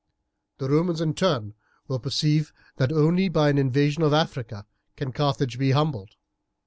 The Romans in turn will perceive that only by an invasion of Africa can Carthage be humbled.